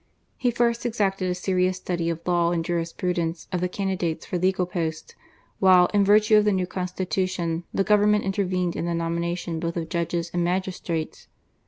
He first exacted a serious study of law and jurisprudence of the candidates for legal posts, while, in virtue of the new Constitution, the Govern ment intervened in the nomination both of judges and magistrates.